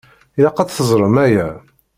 Ilaq ad t-teẓṛem aya.